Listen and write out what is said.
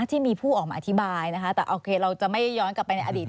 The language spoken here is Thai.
ที่มีผู้ออกมาอธิบายนะคะแต่โอเคเราจะไม่ย้อนกลับไปในอดีต